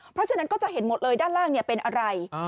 เพราะฉะนั้นก็จะเห็นหมดเลยด้านล่างเป็นอะไร